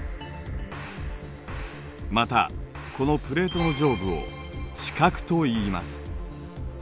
またこのプレートの上部を地殻といいます。